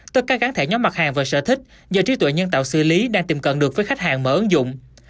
tất cả gắn thẻ nhóm mặt hàng và sở thích do trí tuệ nhân tạo xử lý đang tìm cận được với khách hàng mở ứng dụng